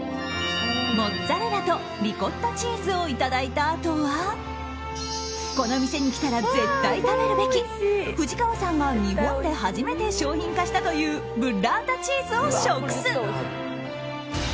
モッツァレラとリコッタチーズをいただいたあとはこの店に来たら絶対食べるべき藤川さんが日本で初めて商品化したというブッラータチーズを食す。